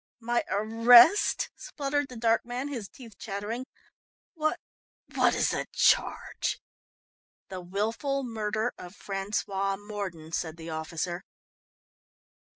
"My arrest?" spluttered the dark man, his teeth chattering. "What what is the charge?" "The wilful murder of François Mordon," said the officer.